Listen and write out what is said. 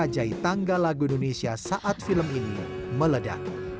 dan menjahit tangga lagu indonesia saat film ini meledak